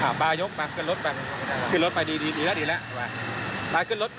อ่าบ้ายกมาขึ้นรถไปขึ้นรถไปดีดีแล้วดีแล้วว่ามาขึ้นรถมาขึ้นรถไป